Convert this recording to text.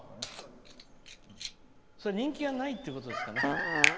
それは人気がないってことですかね？